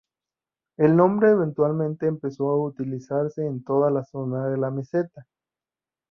El nombre eventualmente empezó a utilizarse en toda la zona de la meseta.